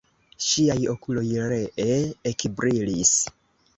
Ŝiaj okuloj ree ekbrilis.